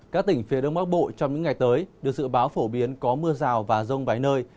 các tỉnh phía đông bắc bộ trong những ngày tới được dự báo phổ biến có mưa rào và rông vài nơi